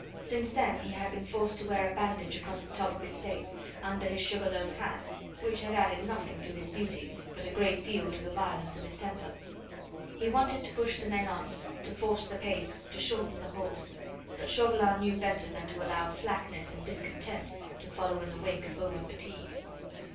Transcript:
Since then he had been forced to wear a bandage across the top of his face, under his sugar loaf hat, which had added nothing to his beauty, but a great deal to the violence of his temper. He wanted to push the men on, to force the pace, to shorten the halts; but Chauvelin knew better than to allow slackness and discontent to follow in the wake of over fatigue.